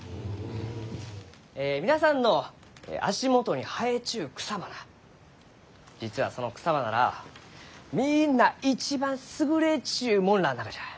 え皆さんの足元に生えちゅう草花実はその草花らあはみんな一番優れちゅう者らあながじゃ。